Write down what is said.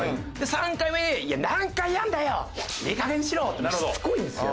３回目で「いや何回やんだよ！いいかげんにしろ！」ってしつこいんですよ